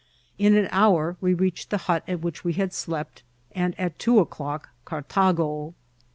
In an hour we reach ed the hut at which we had slept, and at two o'clock Cartago.